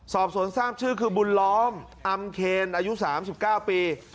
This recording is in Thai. สอบสวนทราบชื่อคือบุญล้อมอำเคนอายุ๓๙ปี